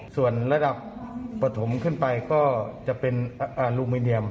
ส่วนระดับปฐมขึ้นไปก็จะเป็นอลูมิเนียม